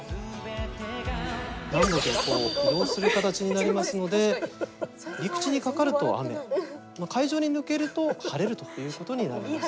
南北にこう移動する形になりますので陸地にかかると雨海上に抜けると晴れるということになるんです。